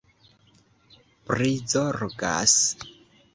prizorgas